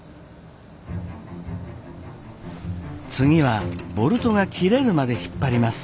次はボルトが切れるまで引っ張ります。